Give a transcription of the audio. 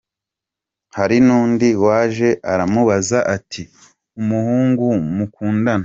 Hari n’undi waje aramubaza ati “Umuhungu mukundana